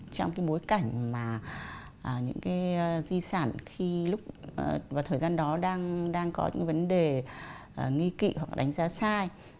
trong mối cảnh những di sản vào thời gian đó đang có những vấn đề nghi kỵ hoặc đánh giá sai